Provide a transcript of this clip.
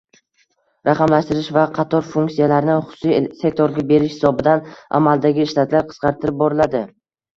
Raqamlashtirish va qator funksiyalarni xususiy sektorga berish hisobidan amaldagi shtatlar qisqartirib boriladi.